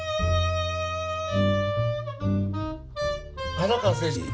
原川誠司